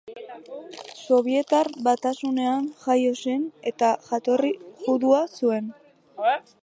Sobietar Batasunean jaio zen eta jatorri judua zuen.